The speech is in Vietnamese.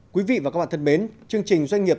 quý vị và các bạn thân mến chương trình doanh nghiệp